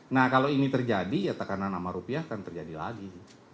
nah kalau ini terjadi ya tekanan nama rupiah akan terjadi lagi